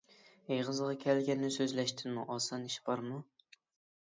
ئېغىزغا كەلگەننى سۆزلەشتىنمۇ ئاسان ئىش بارمۇ؟